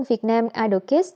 việt nam idol kids